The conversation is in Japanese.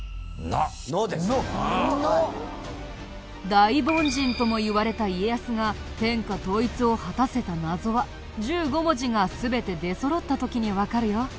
大凡人ともいわれた家康が天下統一を果たせた謎は１５文字が全て出そろった時にわかるよ。